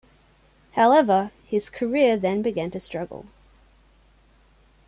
However, his career then began to struggle.